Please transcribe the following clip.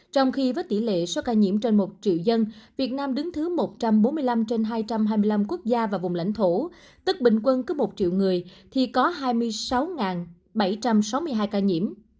trong khi với tỷ lệ số ca nhiễm trên một triệu dân việt nam đứng thứ một trăm bốn mươi năm trên hai trăm hai mươi năm quốc gia và vùng lãnh thổ tức bình quân cứ một triệu người thì có hai mươi sáu bảy trăm sáu mươi hai ca nhiễm